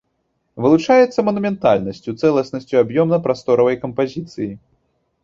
Вылучаецца манументальнасцю, цэласнасцю аб'ёмна-прасторавай кампазіцыі.